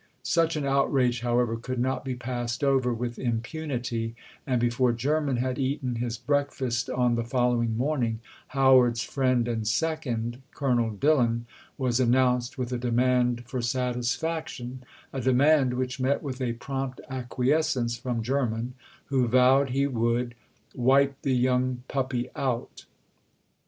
Such an outrage, however, could not be passed over with impunity; and before Jermyn had eaten his breakfast on the following morning, Howard's friend and second, Colonel Dillon, was announced with a demand for satisfaction a demand which met with a prompt acquiescence from Jermyn, who vowed he would "wipe the young puppy out."